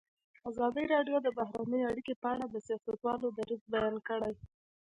ازادي راډیو د بهرنۍ اړیکې په اړه د سیاستوالو دریځ بیان کړی.